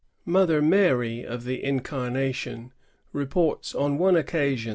Mother Mary of the Incarnation reports on one occasion.